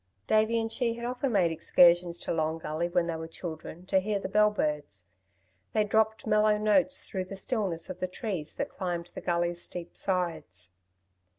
Davey and she had often made excursions to Long Gully when they were children to hear the bell birds. They dropped mellow notes through the stillness of the trees that climbed the gully's steep sides.